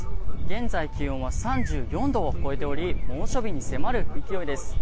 現在、気温は３４度を超えており猛暑日に迫る勢いです。